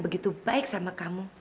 begitu baik sama kamu